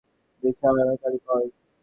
এখন তাঁহার একমাত্র আলোচনার বিষয় কালীপদ।